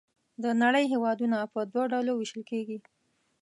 د نړۍ هېوادونه په دوه ډلو ویشل کیږي.